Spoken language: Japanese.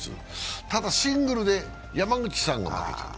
ただ、シングルで山口さんが。